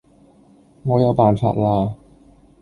我有辦法啦